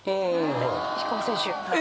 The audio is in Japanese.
石川選手。